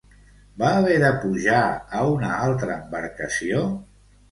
Va haver de pujar a una altra embarcació?